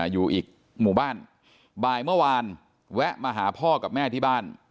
อยู่อีกหมู่บ้านบ่ายเมื่อวานแวะมาหาพ่อกับแม่ที่บ้าน